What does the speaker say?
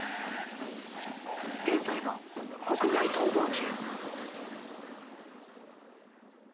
現在も国外逃亡中。